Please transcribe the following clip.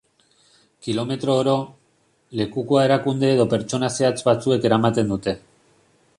Kilometro oro, lekukoa erakunde edo pertsona zehatz batzuek eramaten dute.